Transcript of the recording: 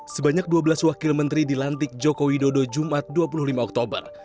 sebanyak dua belas wakil menteri dilantik joko widodo jumat dua puluh lima oktober